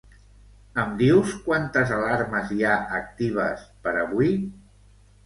Em dius quantes alarmes hi ha actives per avui?